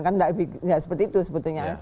kan tidak seperti itu sebetulnya